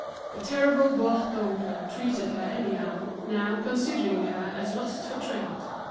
The terrible Bourdoncle treated her anyhow, now, considering her as lost for trade.